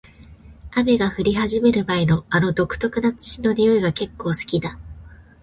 雨が降り始める前の、あの独特な土の匂いが結構好きだ。